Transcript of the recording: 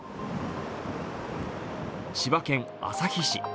千葉県旭市。